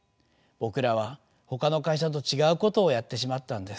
僕らはほかの会社と違うことをやってしまったんです。